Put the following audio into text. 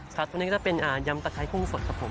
ตัวนี้ก็จะเป็นยำตะไครกุ้งสดครับผม